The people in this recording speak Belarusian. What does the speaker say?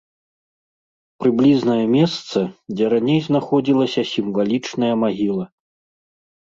Прыблізнае месца, дзе раней знаходзілася сімвалічная магіла.